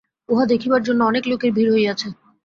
উহা দেখিবার জন্য অনেক লোকের ভিড় হইয়াছে।